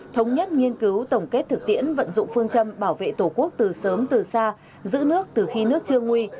thống nhất nghiên cứu tổng kết thực tiễn vận dụng phương châm bảo vệ tổ quốc từ sớm từ xa giữ nước từ khi nước chưa nguy